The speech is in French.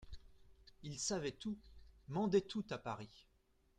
Il savait tout, mandait tout à Paris.